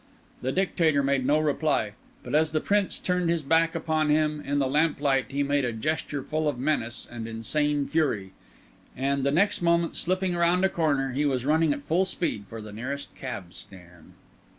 The Dictator made no reply; but as the Prince turned his back upon him in the lamplight he made a gesture full of menace and insane fury; and the next moment, slipping round a corner, he was running at full speed for the nearest cab stand.